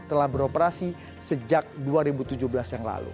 telah beroperasi sejak dua ribu tujuh belas yang lalu